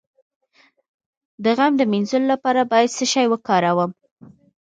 د غم د مینځلو لپاره باید څه شی وکاروم؟